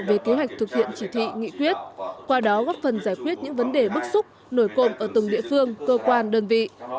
về kế hoạch thực hiện chỉ thị nghị quyết qua đó góp phần giải quyết những vấn đề bức xúc nổi cộng ở từng địa phương cơ quan đơn vị